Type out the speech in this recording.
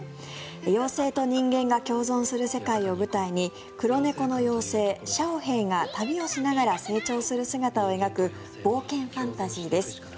妖精と人間が共存する世界を舞台に黒猫の妖精、小黒が旅をして成長する姿を描く冒険ファンタジーです。